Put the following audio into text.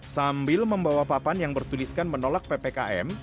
sambil membawa papan yang bertuliskan menolak ppkm